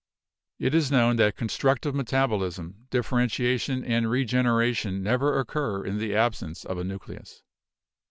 It is known that constructive metabolism, differentiation and regenera tion never occur in the absence of a nucleus.